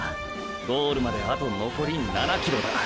ゴールまであとのこり７ｋｍだ。